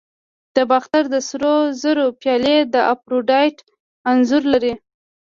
د باختر د سرو زرو پیالې د افروډایټ انځور لري